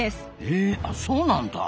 へあそうなんだ。